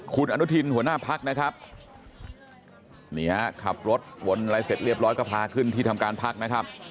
คุณอนุทินหัวหน้าพักนะครับนี่ฮะขับรถวนอะไรเสร็จเรียบร้อยก็พาขึ้นที่ทำการพักนะครับ